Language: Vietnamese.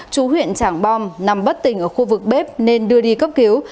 chú huyện trảng bom nằm bất tỉnh ở khu vực bếp nên đưa đi cấp cứu